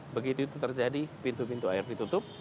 begitu itu terjadi pintu pintu air ditutup